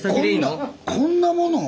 こんなものを？